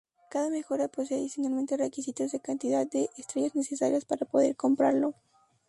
Cada mejora posee adicionalmente requisitos de cantidad de "estrellas" necesarias para poder comprarlo.